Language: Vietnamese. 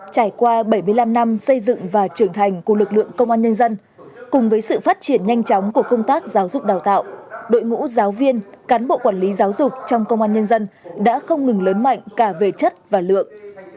trải qua bảy mươi năm năm xây dựng và trưởng thành của lực lượng công an nhân dân cùng với sự phát triển nhanh chóng của công tác giáo dục đào tạo đội ngũ giáo viên cán bộ quản lý giáo dục trong công an nhân dân đã không ngừng lớn mạnh cả về chất và lượng